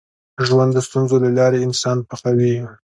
ژوند د ستونزو له لارې انسان پخوي.